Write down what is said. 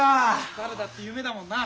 誰だって夢だもんな。